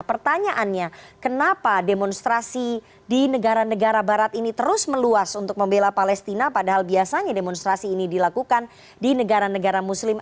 pertanyaannya kenapa demonstrasi di negara negara barat ini terus meluas untuk membela palestina padahal biasanya demonstrasi ini dilakukan di negara negara muslim